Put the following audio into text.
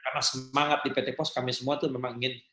karena semangat di pt pos kami semua tuh memang ingin